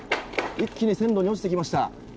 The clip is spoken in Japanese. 一気に線路に落ちてきました。